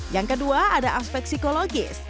yang kedua ada aspek psikologis